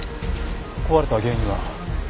壊れた原因は？